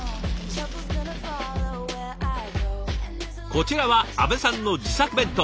こちらは安部さんの自作弁当。